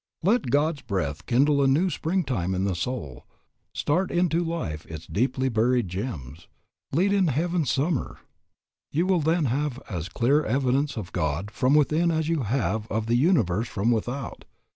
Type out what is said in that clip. Let God's Breath kindle new spring time in the soul, start into life its deeply buried germs, lead in heaven's summer; you will then have as clear evidence of God from within as you have of the universe from without.